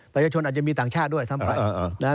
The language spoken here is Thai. ประชาชนอาจจะมีต่างชาติด้วยซ้ำไป